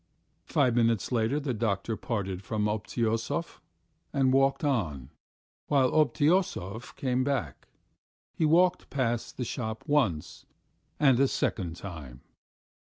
Five minutes later the doctor parted from Obtyosov and walked on, while Obtyosov came back. He walked past the shop once and a second time.